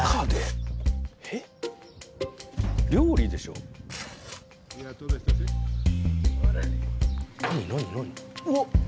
うわっ。